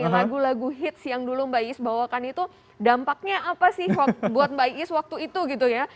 lagu lagu hits yang dulu mbak is bawakan itu dampaknya apa sih buat mbak is waktu itu gitu ya